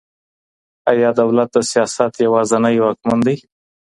ايا دولت د سياست يوازينی واکمن دی؟